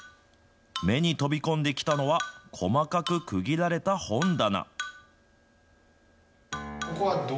目に飛び込んできたのは細かく区切られた本棚。